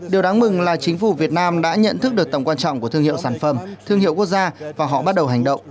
điều đáng mừng là chính phủ việt nam đã nhận thức được tầm quan trọng của thương hiệu sản phẩm thương hiệu quốc gia và họ bắt đầu hành động